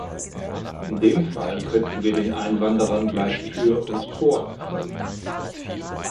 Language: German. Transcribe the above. In dem Fall könnten wir den Einwanderern gleich Tür und Tor öffnen.